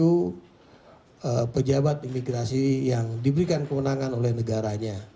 sekiu pejabat imigrasi yang diberikan kemenangan oleh negaranya